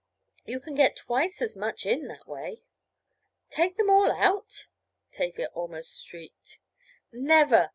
You can get twice as much in that way." "Take them all out!" Tavia almost shrieked. "Never!"